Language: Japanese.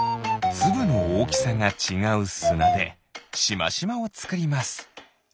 つぶのおおきさがちがうすなでしましまをつくります。